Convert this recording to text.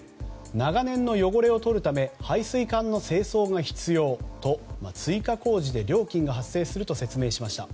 長年の汚れを取るため排水管の清掃が必要と追加工事で料金が発生すると説明しました。